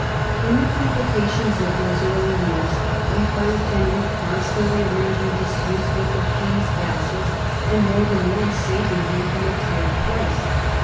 In the complications of those early years we find Henry constantly arranging disputes with the king's vassals and more than once saving him from a tight place.